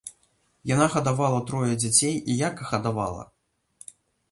Яна гадавала трое дзяцей, і як гадавала!